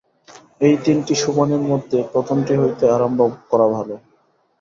এই তিনটি সোপানের মধ্যে প্রথমটি হইতে আরম্ভ করা ভাল।